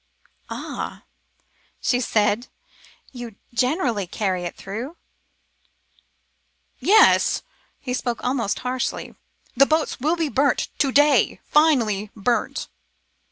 "Ah!" she said. "You generally carry it through?" "Yes," he spoke almost harshly. "The boats will be burnt to day finally burnt."